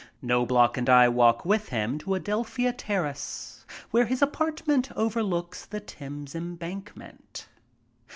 Knobloch and I walk with him to Adelphia Terrace, where his apartment overlooks the Thames Embankment.